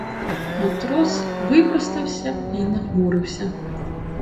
Матрос випростався й нахмурився.